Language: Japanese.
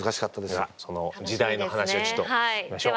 ではその時代の話をちょっといきましょう。